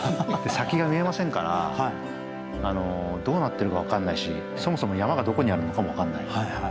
先が見えませんからどうなってるか分かんないしそもそも山がどこにあるのかも分からない。